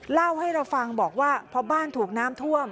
เล่าให้เราฟังบอกว่าพอบ้านถูกน้ำท่วม